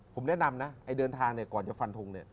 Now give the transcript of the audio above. ผมแนะนำนะเดินทางค่อยก่อนอยากฟัณฐง